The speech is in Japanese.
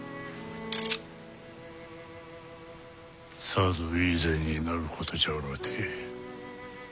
さぞいい銭になることじゃろうて。